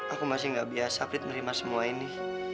aku masih gak biasa frit menerima semua ini